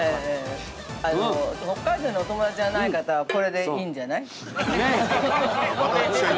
北海道にお友達がいない方はこれでいいんじゃない？